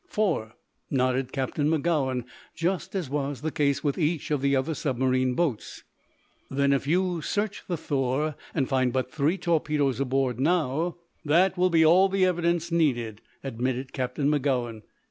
"Four," nodded Captain Magowan; "just as was the case with each of the other submarine boats." "Then, if you search the 'Thor,' and find but three torpedoes aboard, now " "That will be all the evidence needed." admitted Captain Magowan.